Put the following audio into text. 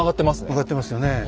曲がってますよね